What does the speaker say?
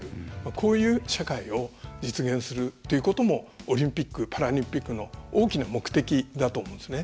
こういう社会を実現するということもオリンピック・パラリンピックの大きな目的だと思うんですね。